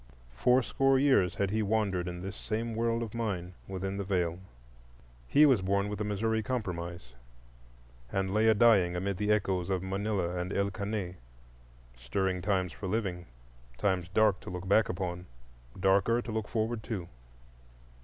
Fourscore years had he wandered in this same world of mine, within the Veil. He was born with the Missouri Compromise and lay a dying amid the echoes of Manila and El Caney: stirring times for living, times dark to look back upon, darker to look forward to.